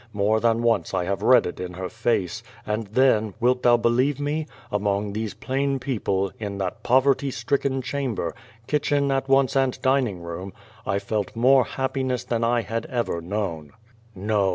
More than once I have read it in her face, and then, wilt thou be lieve me? among these plain people, in that poverty stricken chamber — kitchen at once and dining room — I felt more happiness than I had ever known. No!